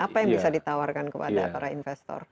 apa yang bisa ditawarkan kepada para investor